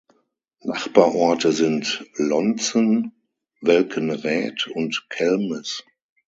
Nachbarorte sind Lontzen, Welkenraedt und Kelmis.